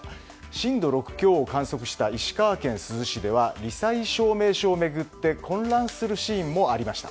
震度６強を観測した石川県珠洲市では罹災証明書を巡って混乱するシーンもありました。